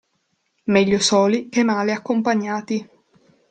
Meglio soli che male accompagnati.